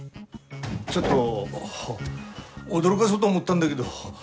ちょっと驚がそうと思ったんだげど。